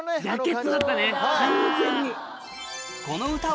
完全に。